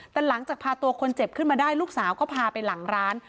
แต่หลังจากพาตัวคนเจ็บขึ้นมาได้ลูกสาวก็พาไปหลังร้าน